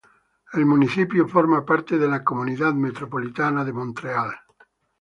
El municipio hace parte de la Comunidad metropolitana de Montreal.